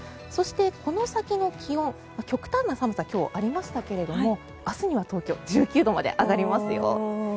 そして、この先の気温極端な寒さが今日ありましたけれども明日には東京１９度まで上がりますよ。